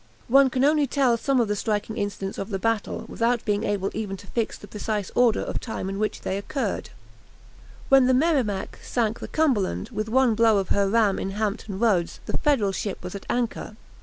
One can only tell some of the striking incidents of the battle, without being able even to fix the precise order of time in which they occurred. When the "Merrimac" sank the "Cumberland" with one blow of her ram in Hampton Roads, the Federal ship was at anchor.